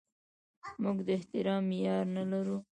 موږ د احترام معیار نه لرو.